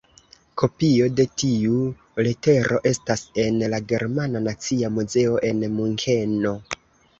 Kopio de tiu letero estas en la germana nacia muzeo en Munkeno.